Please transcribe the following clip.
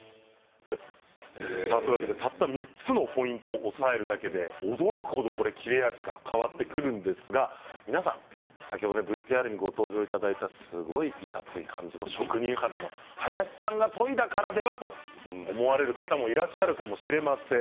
たった３つのポイントを押さえるだけで驚く程切れ味が変わってくるんですが皆さん、ＶＴＲにご登場いただいたすごいいかつい感じの色職人肌の林さんが研いだからでは？と思われる方もいらっしゃるかもしれません。